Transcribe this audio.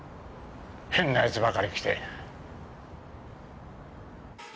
変な奴ばかり来て。